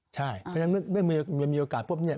ใช่แล้วมันยังมีโอกาสพบนี้